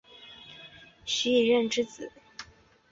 徐以任之子。